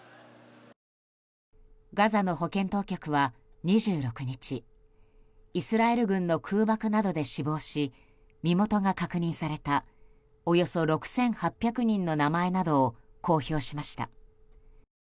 ガザの保健当局は２６日イスラエル軍の空爆などで死亡し身元が確認されたおよそ６８００人の名前などを公表しました。